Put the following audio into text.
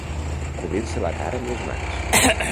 Cobrir-se la cara amb les mans.